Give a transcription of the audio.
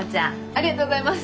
ありがとうございます。